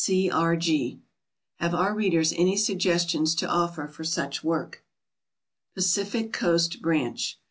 C. R. G. Have our readers any suggestions to offer for such work? PACIFIC COAST BRANCH.